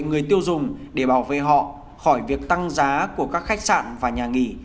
người tiêu dùng để bảo vệ họ khỏi việc tăng giá của các khách sạn và nhà nghỉ